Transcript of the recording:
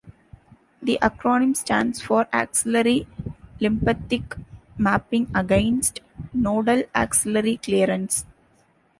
The acronym stands for Axillary Lymphatic Mapping Against Nodal Axillary Clearance.